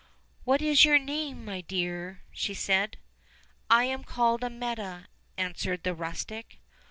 "What is your name, my dear?" said she. "I am called Amietta," answered the rustic.